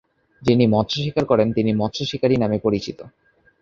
যিনি মৎস্য শিকার করেন তিনি মৎস্য শিকারী নামে পরিচিত।